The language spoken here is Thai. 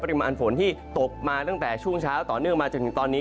ปริมาณฝนที่ตกมาตั้งแต่ช่วงเช้าต่อเนื่องมาจนถึงตอนนี้